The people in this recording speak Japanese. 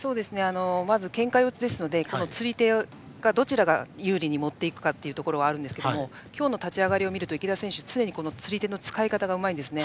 まず、けんか四つですので釣り手をどちらが有利に持っていくかということがありますが今日の立ち上がりを見ると池田選手は常に釣り手の使い方がうまいですね。